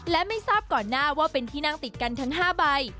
และไม่ทราบก่อนหน้าว่าเป็นที่นั่งติดกันทั้ง๕ใบ